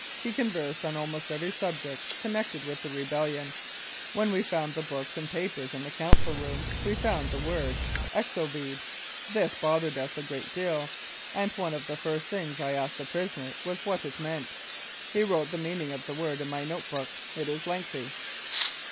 He conversed on almost ever; subject connected with the rebellion. When we found tie books and papers in the Council room we found the word ' Exovede. ' This bothered us a great deal, and one of the first things I asked the prisoner was what it meant. He wrote the meaning of the word in my note book. It is lengthy."